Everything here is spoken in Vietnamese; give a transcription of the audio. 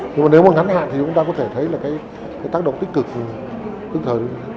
nhưng mà nếu mà ngắn hạn thì chúng ta có thể thấy cái tác động tích cực tức thời